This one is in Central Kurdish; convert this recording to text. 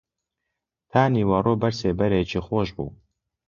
تا نیوەڕۆ بەر سێبەرێکی خۆش بوو